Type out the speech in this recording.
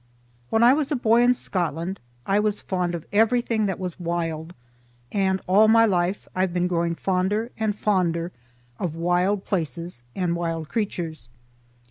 When I was a boy in Scotland I was fond of everything that was wild, and all my life I've been growing fonder and fonder of wild places and wild creatures.